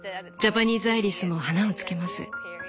ジャパニーズアイリスも花をつけます。